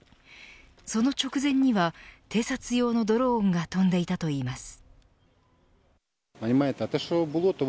その直前には偵察用のドローンが飛んでいたといいます。